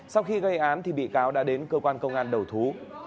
sau khi gây án thì bị cáo đã đến cơ quan công an đầu thú